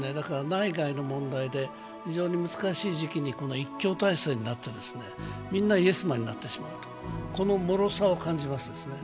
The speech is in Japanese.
内外の問題で、非常に難しい時期に一強体制になってみんなイエスマンになってしまうと、このもろさを感じますね。